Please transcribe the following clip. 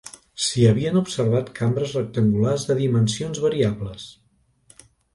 S'hi havien observat cambres rectangulars de dimensions variables.